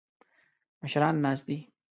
مشران ناست دي.